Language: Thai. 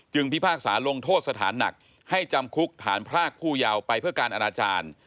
พิพากษาลงโทษสถานหนักให้จำคุกฐานพรากผู้ยาวไปเพื่อการอนาจารย์